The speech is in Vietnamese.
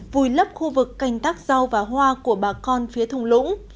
vùi lấp khu vực canh tác rau và hoa của bà con phía thùng lũng